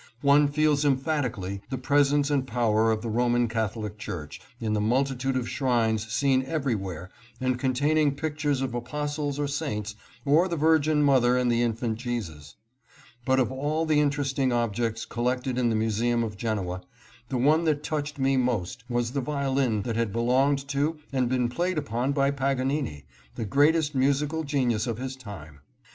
One feels emphatically the presence and power of the Roman Catholic Church in the multitude of shrines seen everywhere and contain ing pictures of apostles or saints, or the Virgin Mother and the infant Jesus. But of all the interesting objects collected in the Museum of Genoa, the one that touched me most was the violin that had belonged to and been played upon by Paganini, the greatest musical genius of his time.